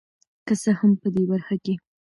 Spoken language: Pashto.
که څه هم په دې برخه کې